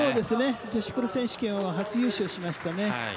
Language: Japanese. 女子プロ選手権を初優勝しましたね。